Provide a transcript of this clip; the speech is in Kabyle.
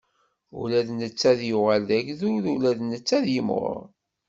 Ula d netta ad yuɣal d agdud, ula d netta ad yimɣur.